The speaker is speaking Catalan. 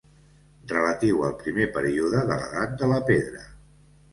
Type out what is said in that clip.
Relatiu al primer període de l'edat de la pedra.